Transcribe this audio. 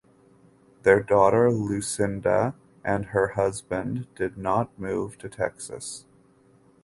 Their daughter Lucinda and her husband did not move to Texas.